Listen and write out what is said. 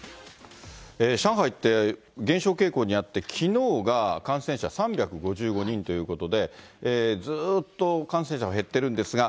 上海って、減少傾向にあって、きのうが感染者３５５人ということで、ずっと感染者が減っているんですが。